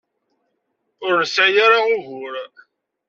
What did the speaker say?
Ur nesɛi ara ugur.